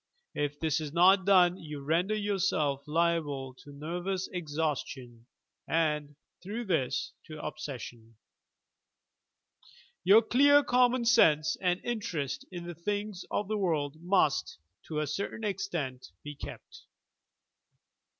If this is not done, you render yourself liable to nervous e3chaustion and, through this, to ob session, 2. Your clear common sense and interest in the things of the world must, to a certain extent, be kept.